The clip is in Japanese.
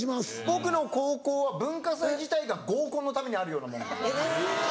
僕の高校は文化祭自体が合コンのためにあるようなもので。